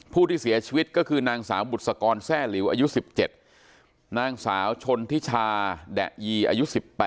ผู้ที่เสียชีวิตก็คือนางสาวบุษกรแทร่หลิวอายุ๑๗นางสาวชนทิชาแดะยีอายุ๑๘